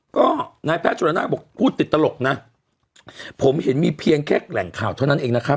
ก็นายแพทย์จุลนาคบอกพูดติดตลกนะผมเห็นมีเพียงแค่แหล่งข่าวเท่านั้นเองนะครับ